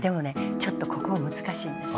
ちょっとここ難しいんです。